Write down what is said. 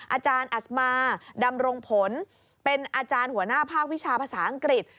อาจารย์อัศมาดำรงผลเป็นอาจารย์หัวหน้าภาควิชาภาษาอังกฤษ